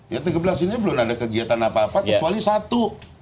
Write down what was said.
yang tiga belas ini belum ada kegiatan apa apa kecuali satu